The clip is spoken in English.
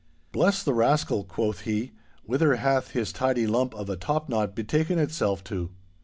'Bless the rascal,' quoth he, 'whither hath his tidy lump of a top knot betaken itself to?